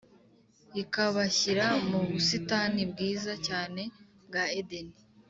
ikabashyira mu busitani bwiza cyane bwa edeni.